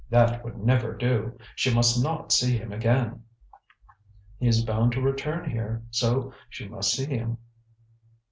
"That would never do. She must not see him again." "He is bound to return here, so she must see him."